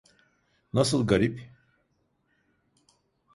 Nasıl garip?